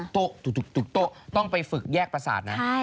ตัวตุกตุกตุตลกตวยไปฝึกแยกภาษานั้น